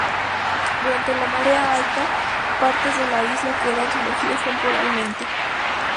Durante la marea alta, partes de la isla quedan sumergidas temporalmente.